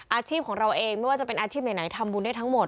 อาชีพของเราเองไม่ว่าจะเป็นอาชีพไหนทำบุญได้ทั้งหมด